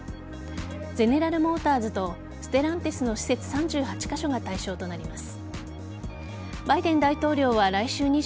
ゼネラル・モーターズとステランティスの施設３８カ所が対象となります。